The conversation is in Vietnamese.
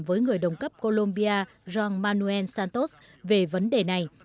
với người đồng cấp colombia rong manuel santos về vấn đề này